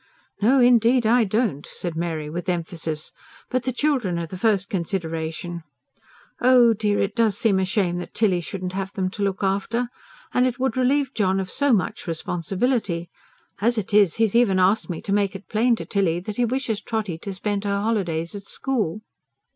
"No, indeed I don't," said Mary with emphasis. "But the children are the first consideration. Oh, dear! it does seem a shame that Tilly shouldn't have them to look after. And it would relieve John of so much responsibility. As it is, he's even asked me to make it plain to Tilly that he wishes Trotty to spend her holidays at school."